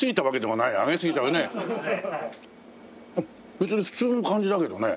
別に普通の感じだけどね。